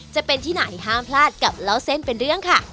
จะเป็นที่ไหนห้ามพลาดกับเล่าเส้นเป็นเรื่องค่ะ